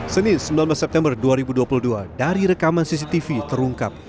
senin sembilan belas september dua ribu dua puluh dua dari rekaman cctv terungkap